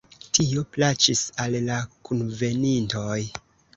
Tio plaĉis al la kunvenintoj.